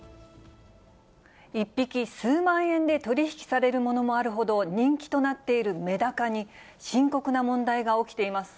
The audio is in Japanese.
１匹数万円で取り引きされるものもあるほど人気となっているメダカに、深刻な問題が起きています。